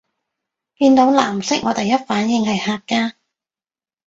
見到藍色我第一反應係客家